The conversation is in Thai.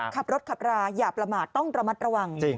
ขับรถขับราอย่าประมาทต้องระมัดระวัง